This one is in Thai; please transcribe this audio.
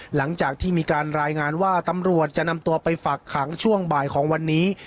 หลังจากที่มีการรายงานว่าตำรวจจะนำตัวไปฝากขังช่วงบ่ายของวันนี้